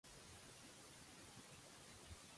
A Santa Perpètua, «ora pro nobis».